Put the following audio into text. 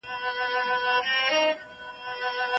یوګا د عضلاتو لپاره ګټوره ده.